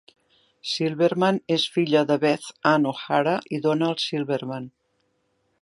Silverman és filla de Beth Ann O'Hara i Donald Silverman.